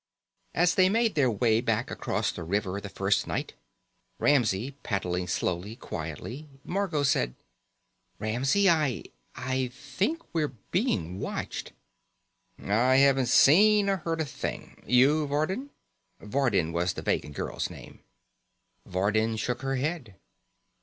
As they made their way back across the river the first night, Ramsey paddling slowly, quietly, Margot said: "Ramsey, I I think we're being watched." "I haven't seen or heard a thing. You, Vardin?" Vardin was the Vegan girl's name. Vardin shook her head.